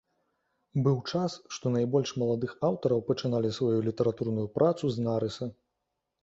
Быў час, што найбольш маладых аўтараў пачыналі сваю літаратурную працу з нарыса.